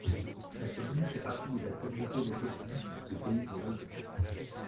La commune fait partie de la communauté de communes du Pays de l'Ozon.